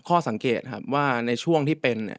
ข้อสังเกตครับว่าในช่วงที่เป็น